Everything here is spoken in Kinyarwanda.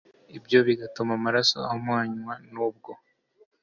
ibyo bigatuma amaraso ahumanywa n’ubwo